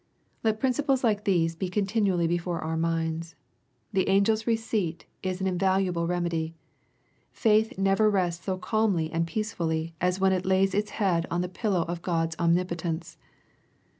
—^^ Let principles like these be continually before our minds. The angel's receipt is an invaluable remedy. Faith never rests so calmly and peacefully as when it lays its head on the pillow of Grod's omnipotence.